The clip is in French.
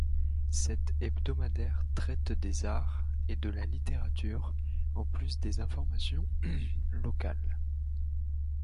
Cet hebdomadaire traite des arts et de la littérature, en plus des informations locales.